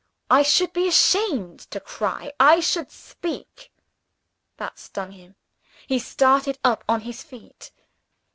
I should be ashamed to cry I should speak." That stung him. He started up on his feet.